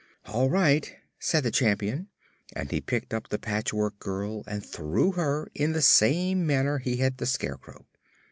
"All right," said the Champion, and he picked up the Patchwork Girl and threw her in the same manner he had the Scarecrow.